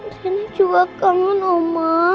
reina juga kangen oma